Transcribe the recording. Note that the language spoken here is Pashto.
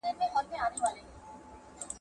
آیا د ژوند د معیار لوړول د ټولو لپاره امکان لري؟